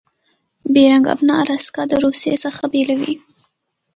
بیرنګ آبنا الاسکا د روسي څخه بیلوي.